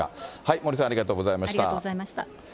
森さん、ありがとうございました。